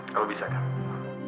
kalau bisa kak